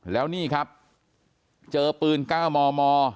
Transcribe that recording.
แล้วนี่ครับเดียวปืนก้าวมอมอ